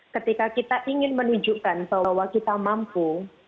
ketika kita ingin menunjukkan bahwa kita mampu